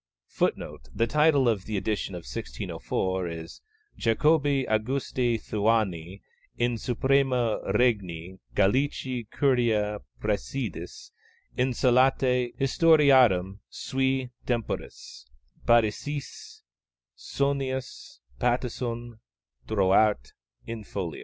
[Footnote: The title of the edition of 1604 is _Jacobi Augusti Thuani in suprema regni Gallici curia praesidis insulati, historiarum sui temporis (Parisiis Sonnius, Patisson, Drouart, in fol._).